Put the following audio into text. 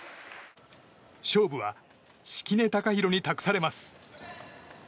勝負は、敷根嵩裕に託されます。